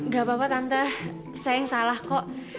ga papa tante saya yang salah kok